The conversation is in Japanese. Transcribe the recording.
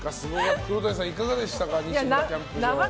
黒谷さん、どうでしたか。